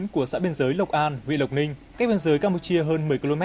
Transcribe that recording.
của xã biên giới lộc an huyện lộc ninh cách biên giới campuchia hơn một mươi km